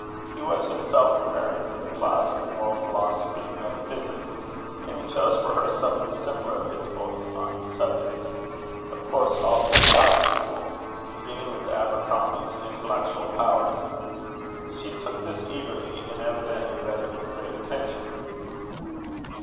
He was himself preparing for the class of Moral Philosophy and Metaphysics; and he chose for her some of the simpler of his books on these subjects of course all of the Scotch school beginning with Abercrombie's Intellectual Powers. She took this eagerly, and evidently read it with great attention.